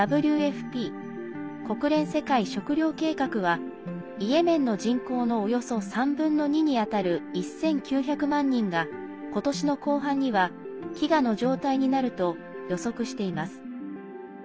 ＷＦＰ＝国連世界食糧計画はイエメンの人口のおよそ３分の２に当たる１９００万人がことしの後半には飢餓の状態になると予測しています。